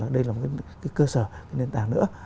đây là một cái cơ sở cái nền tảng nữa